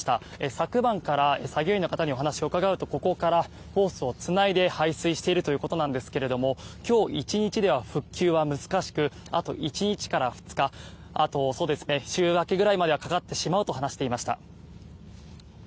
昨晩から作業員の方にお話を伺うとここからホースをつないで排水しているということなんですが今日１日では復旧は難しくあと１日から２日週明けぐらいまではかかってしまうと話していました。